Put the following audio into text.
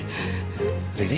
istri gak becus